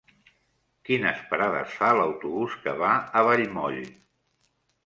Quines parades fa l'autobús que va a Vallmoll?